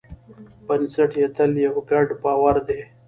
بنسټ یې تل یو ګډ باور دی.